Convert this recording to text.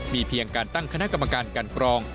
มีเพียงการตั้งคณะกรรมการกันกรอง